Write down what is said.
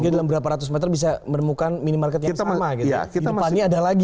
sehingga dalam berapa ratus meter bisa menemukan minimarket yang sama gitu ya